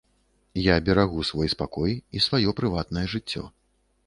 Я берагу свой спакой і сваё прыватнае жыццё.